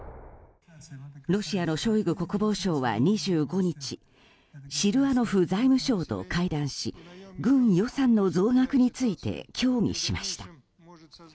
ロシアのショイグ国防相は２５日シルアノフ財務相と会談し軍予算の増額について協議しました。